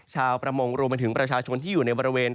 ชาวประมงรวมไปถึงประชาชนที่อยู่ในบริเวณ